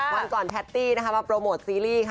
วันก่อนแพทตี้มาโปรโมทซีรีส์